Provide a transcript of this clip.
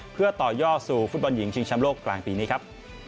เพื่อต่อยอดสู่ฟุตบอลหญิงชิงชำโลกกลางปีนี้ครับ